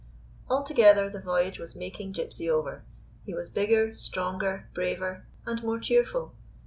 Altogether, the voyage was making Gypsy over. He was bigger, stronger, braver and more cheerful.